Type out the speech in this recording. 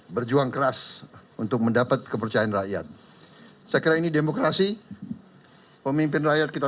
berjuang keras untuk mendapat kepercayaan rakyat saya kira ini demokrasi pemimpin rakyat kita